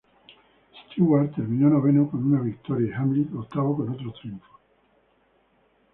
Stewart terminó noveno con una victoria, y Hamlin octavo con otro triunfos.